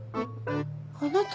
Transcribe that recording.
あなた。